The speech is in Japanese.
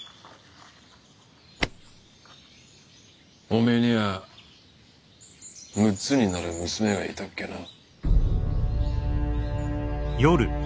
おめえには６つになる娘がいたっけな。